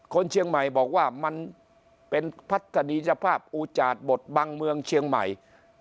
คนเชียงใหม่บอกว่ามันเป็นพัฒนีสภาพอุจาดบทบังเมืองเชียงใหม่